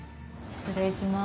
失礼します。